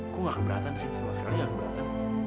aku enggak keberatan sih sama sekali enggak keberatan